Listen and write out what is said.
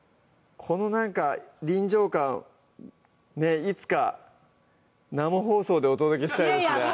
このなんか臨場感ねっいつか生放送でお届けしたいですね